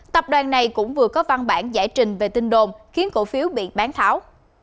tập đoàn này cũng vừa có văn bản giải trình về tin đồn khiến cổ phiếu bị bán tháo